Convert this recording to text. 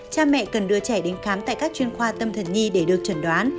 cha mẹ cần đưa trẻ đến khám tại các chuyên khoa tâm thần nhi để được trần đoán